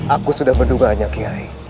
aku sudah mendugaannya kiai